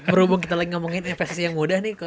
berhubung kita lagi ngomongin investasi yang mudah nih